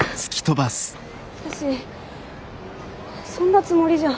私そんなつもりじゃ。